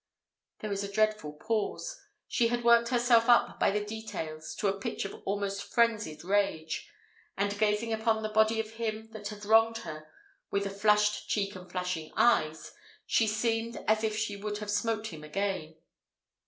There was a dreadful pause: she had worked herself up by the details to a pitch of almost frenzied rage; and, gazing upon the body of him that had wronged her with a flushed cheek and flashing eyes, she seemed as if she would have smote him again.